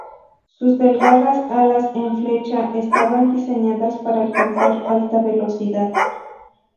Sus delgadas alas en flecha estaban diseñadas para alcanzar alta velocidad.